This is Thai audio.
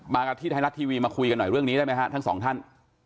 มาที่ท้ายรักทวีมาคุยกันหน่อยเรื่องนี้ได้มั้ยฮะทั้งสองท่าน